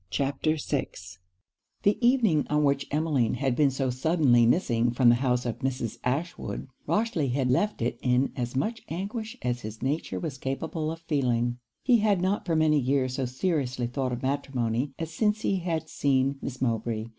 CHAPTER VI The evening on which Emmeline had been so suddenly missing from the house of Mrs. Ashwood, Rochely had left it in as much anguish as his nature was capable of feeling. He had not for many years so seriously thought of matrimony as since he had seen Miss Mowbray.